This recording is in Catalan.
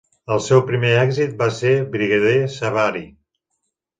El seu primer èxit va ser "Brigadier Sabari".